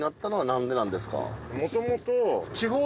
もともと。